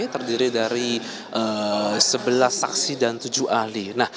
terdiri dari sebelas saksi dan tujuh ahli